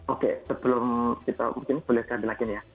oke sebelum kita mungkin boleh saya bilang gini ya